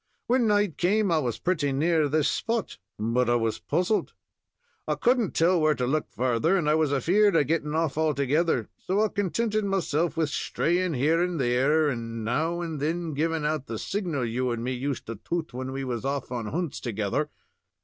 When night came, I was pretty near this spot, but I was puzzled. I could n't tell where to look further, and I was afeared of gettin' off altogether. So I contented mesilf wid shtrayin' here and there, and now and then givin' out the signal that you and me used to toot when we was off on hunts together.